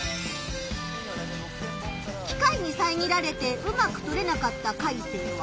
機械にさえぎられてうまく撮れなかったカイセイは？